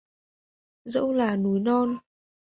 Dẫu là núi non